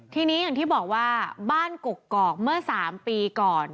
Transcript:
ทีนี้อย่างที่บอกว่าบ้านกกอกเมื่อ๓ปีก่อน